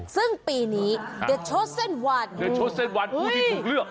ซึ่งปีนี้เดชสเซ็นวันที่ถูกเลือก